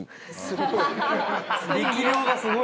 すごい！